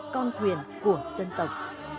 con thuyền của dân tộc